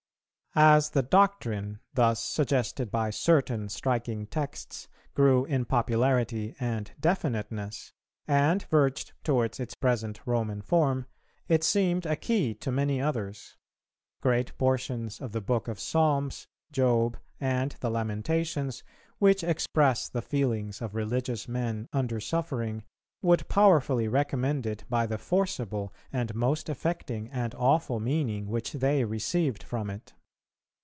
"As the doctrine, thus suggested by certain striking texts, grew in popularity and definiteness, and verged towards its present Roman form, it seemed a key to many others. Great portions of the books of Psalms, Job, and the Lamentations, which express the feelings of religious men under suffering, would powerfully recommend it by the forcible and most affecting and awful meaning which they received from it.